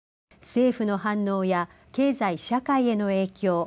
政府の反応や経済社会への影響